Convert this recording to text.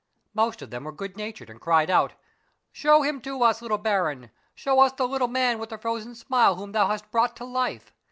Most of them were good natured, and cried out, —" Show him to us, little baron, show us the Little Man with the Frozen Smile whom thou hast brought to life.